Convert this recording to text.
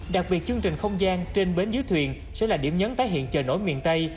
đặc biệt chương trình không gian trên bến dưới thuyền sẽ là điểm nhấn tái hiện trời nổi miền tây